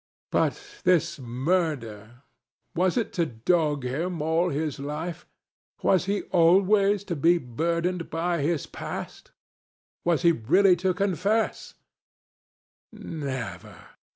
But this murder—was it to dog him all his life? Was he always to be burdened by his past? Was he really to confess? Never.